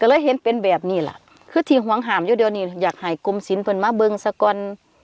ก็เลยเห็นเป็นแบบนี่แหละคือทีหวังหามเยอะเดียวนี่อยากหายกลมศิลป์เป็นมาเบิ้งสักก่อน